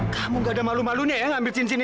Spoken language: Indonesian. kamu gak ada malu malu nih yang ambil cincin ini